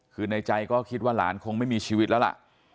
คือในใจก็คิดว่าหลานคงไม่มีชีวิตแล้วล่ะ